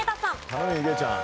頼むよいげちゃん。